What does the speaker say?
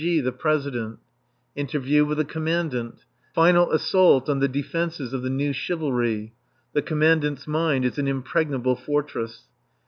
G., the President. Interview with the Commandant. Final assault on the defences of the New Chivalry (the Commandant's mind is an impregnable fortress).